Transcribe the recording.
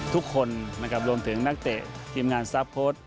ทุกคนรวมถึงนักเตะทีมงานสตาร์ทโพสต์